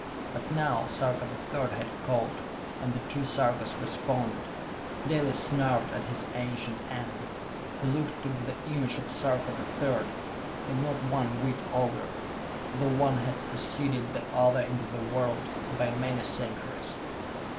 But now Sarka the Third had called, and the two Sarkas responded. Dalis snarled at his ancient enemy, who looked to be the image of Sarka the Third and not one whit older, though one had preceded the other into the world by many centuries.